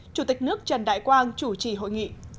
chủ tịch nước trần đại quang chủ trì hội nghị